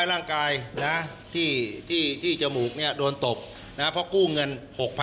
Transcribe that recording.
ลองไปฟังกันค่ะ